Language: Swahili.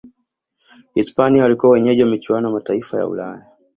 hispania walikuwa wenyeji wa michuano ya mataifa ya ulaya